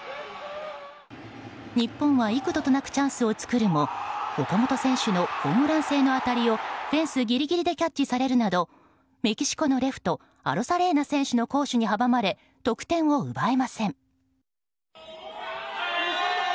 日本は幾度となくチャンスを作るも岡本選手のホームラン性の当たりをフェンスギリギリでキャッチされるなどメキシコのレフトアロサレーナ選手の好守に阻まれ得点を奪えません。